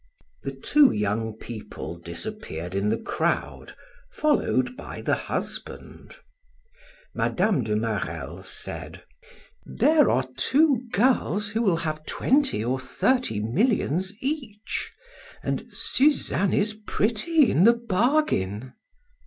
The two young people disappeared in the crowd, followed by the husband. Mme. de Marelle said: "There are two girls who will have twenty or thirty millions each, and Suzanne is pretty in the bargain."